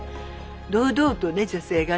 堂々と女性がね